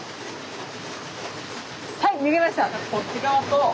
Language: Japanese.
はい脱げました。